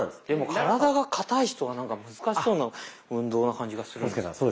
でも体がかたい人はなんか難しそうな運動な感じがするんですけど。